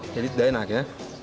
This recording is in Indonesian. jadi tidak enak ya